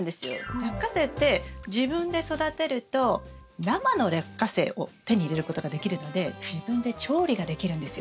ラッカセイって自分で育てると生のラッカセイを手に入れることができるので自分で調理ができるんですよ。